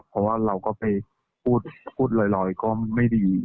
เพราะว่าเราก็ไปพูดลอยก็ไม่ดี